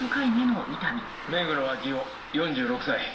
目黒昭夫４６歳。